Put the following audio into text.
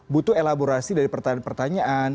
butuh elaborasi dari pertanyaan pertanyaan